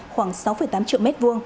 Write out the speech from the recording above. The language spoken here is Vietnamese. khoảng sáu tám triệu m hai